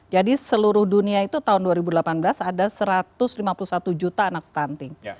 jadi seluruh dunia itu tahun dua ribu delapan belas ada satu ratus lima puluh satu juta anak stunting